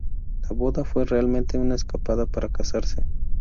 La boda fue realmente una escapada para casarse.